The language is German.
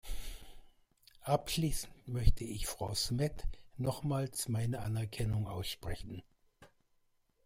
Abschließend möchte ich Frau Smet nochmals meine Anerkennung aussprechen.